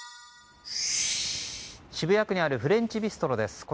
渋谷区にあるフレンチビストロです。